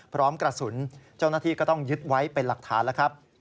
พร้อมกระสุนเจ้าหน้าที่ก็ต้องยึดไว้เป็นหลักฐานแล้วครับ